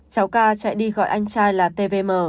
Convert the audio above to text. cháu k chạy đi gọi anh trai là tvm